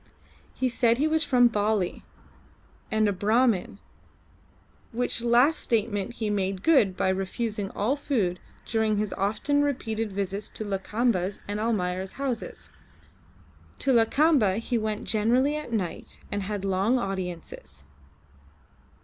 He said he was from Bali, and a Brahmin, which last statement he made good by refusing all food during his often repeated visits to Lakamba's and Almayer's houses. To Lakamba he went generally at night and had long audiences.